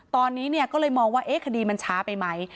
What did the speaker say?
ตอนนี้ก็เลยมองว่าคดีมันช้าไปไหม